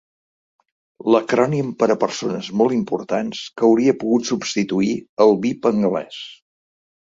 L'acrònim per a persones molt importants que hauria pogut substituir el vip anglès.